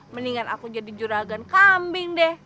mendingan aku jadi juragan kambing deh